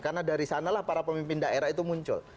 karena dari sanalah para pemimpin daerah itu muncul